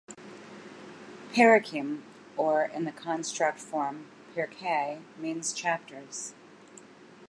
"Perakim", or in the construct form "pirkei", means "chapters.